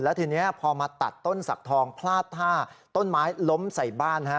แล้วทีนี้พอมาตัดต้นสักทองพลาดท่าต้นไม้ล้มใส่บ้านฮะ